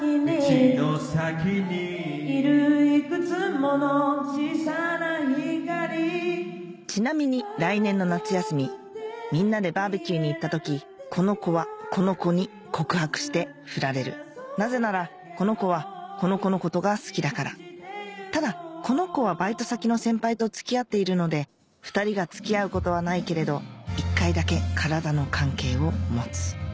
道の先にいる幾つもの小さな光ちなみに来年の夏休みみんなでバーベキューに行った時この子はこの子に告白してフラれるなぜならこの子はこの子のことが好きだからただこの子はバイト先の先輩と付き合っているので２人が付き合うことはないけれど１回だけ体の関係を持つ